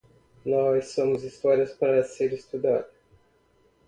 Nós somos história para ser estudada